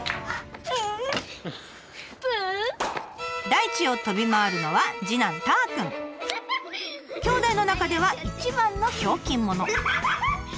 大地を飛び回るのはきょうだいの中では一番のひょうきん者。